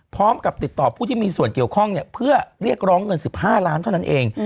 พร้อมกับติดต่อผู้ที่มีส่วนเกี่ยวข้องเนี่ยเพื่อเรียกร้องเงิน๑๕ล้านเท่านั้นเอง